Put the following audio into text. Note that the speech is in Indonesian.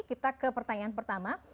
kita ke pertanyaan pertama